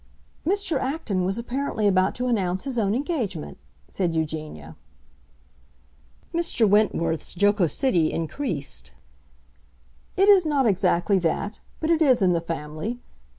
"Mr. Acton was apparently about to announce his own engagement," said Eugenia. Mr. Wentworth's jocosity increased. "It is not exactly that; but it is in the family.